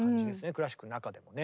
クラシックの中でもね。